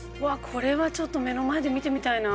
これはちょっと目の前で見てみたいな。